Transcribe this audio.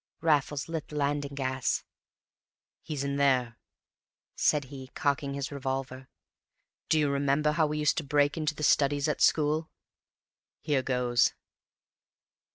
Raffles lit the landing gas. "He's in there," said he, cocking his revolver. "Do you remember how we used to break into the studies at school? Here goes!"